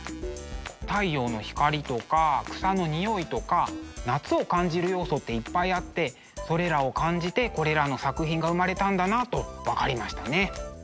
太陽の光とか草の匂いとか夏を感じる要素っていっぱいあってそれらを感じてこれらの作品が生まれたんだなと分かりましたね。